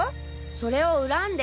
それを恨んで。